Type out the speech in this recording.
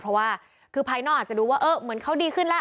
เพราะว่าคือภายนอกอาจจะดูว่าเออเหมือนเขาดีขึ้นแล้ว